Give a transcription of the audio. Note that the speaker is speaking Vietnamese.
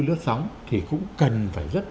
lướt sóng thì cũng cần phải rất